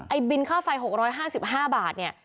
บินค่าไฟ๖๕๕บาทเนี่ย